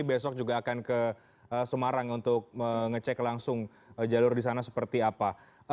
besok juga akan ke semarang untuk mengecek langsung jalur di sana seperti apa